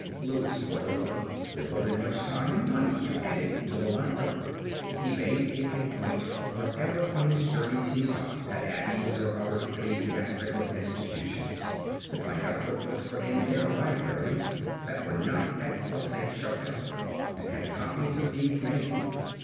Louis, moreover, devoted much time and money to adding to the library. He made it a point whenever on his journeys he stopped, at abbeys or other ecclesiastical institutions, to find out what books were in their library that were not at La Saint Chapelle and had copies of these made.